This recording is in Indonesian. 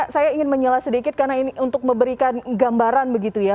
saya ingin menyalah sedikit karena ini untuk memberikan gambaran begitu ya